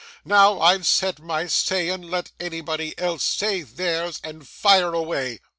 Now I've said my say, and let anybody else say theirs, and fire away!